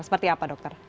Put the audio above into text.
seperti apa dokter